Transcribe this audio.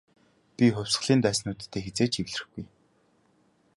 Би хувьсгалын дайснуудтай хэзээ ч эвлэрэхгүй.